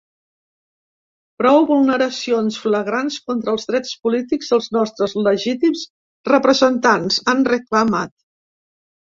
Prou vulneracions flagrants contra els drets polítics dels nostres legítims representants, han reclamat.